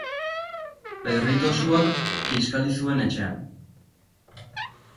Pedrito suak kiskali zuen, etxean.